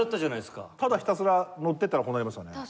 ただひたすらのっていったらこうなりましたね。